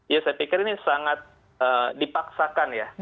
ya saya pikir ini sangat dipaksakan ya